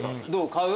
買う？